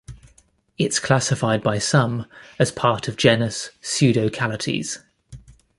It's classified by some as part of genus "Pseudocalotes".